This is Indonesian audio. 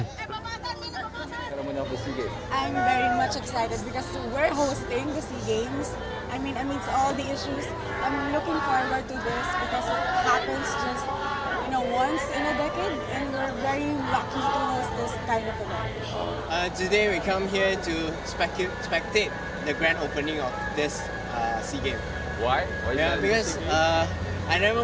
saya tidak pernah menonton sea games sebelumnya